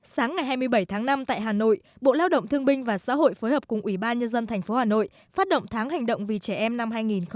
sáng ngày hai mươi bảy tháng năm tại hà nội bộ lao động thương binh và xã hội phối hợp cùng ủy ban nhân dân tp hà nội phát động tháng hành động vì trẻ em năm hai nghìn hai mươi